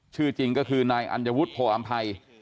ชื่อจริงก็คือนายอัลยะวุฒิโผอำไพย